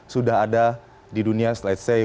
sudah ada di dunia let's say